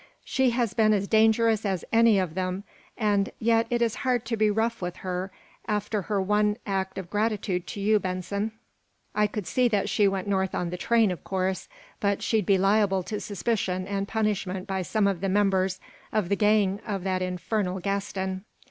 "She has been as dangerous as any of them, and yet it is hard to be rough with her after her one act of gratitude to you, Benson. I could see that she went north on the train, of course, but she'd be liable to suspicion and punishment by some of the members of the gang of that infernal Gaston.